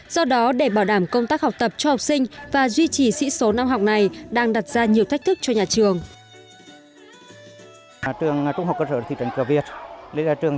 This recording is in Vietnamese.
do đó để bảo đảm công tác học tập cho học sinh và duy trì sĩ số năm học này đang đặt ra nhiều thách thức cho nhà trường